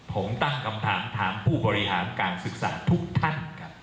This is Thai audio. ผมตั้งคำถามถามผู้บริหารการศึกษาทุกท่านครับ